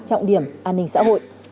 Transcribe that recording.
trọng điểm an ninh xã hội